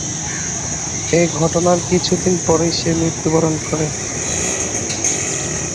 এ ঘটনার কিছুদিন পরেই সে মৃত্যুবরণ করে।